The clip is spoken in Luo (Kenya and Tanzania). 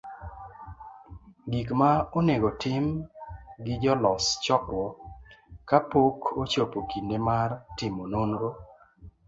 Gik ma onego tim gi jolos chokruok ,Ka pok ochopo kinde mar timo nonro,